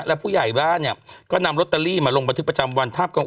และผู้ใหญ่บ้านเนี่ยก็นำลอตเตอรี่มาลงบันทึกประจำวันทาบกอง